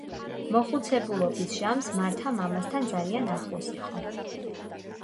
მოხუცებულობის ჟამს მართა მამასთან ძალიან ახლოს იყო.